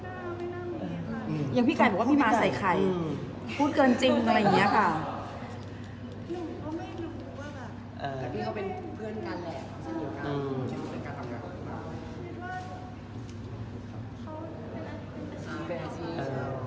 เขาไม่รักกับพี่ไก่